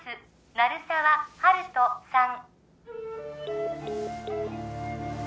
鳴沢温人さん